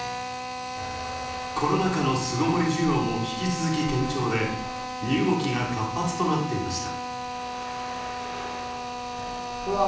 コロナ禍の巣ごもり需要も引き続き堅調で、荷動きが活発となっていました。